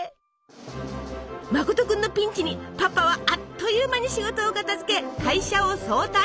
まこと君のピンチにパパはあっという間に仕事を片づけ会社を早退！